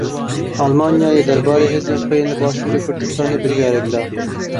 Almanyayê derbarê hêzên xwe yên li Başûrê Kurdistanê biryarek da.